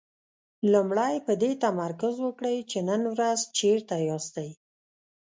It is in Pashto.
لومړی په دې تمرکز وکړئ چې نن ورځ چېرته ياستئ.